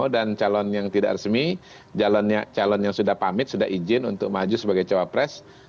dan calon yang tidak resmi calon yang sudah pamit sudah izin untuk maju sebagai cawapres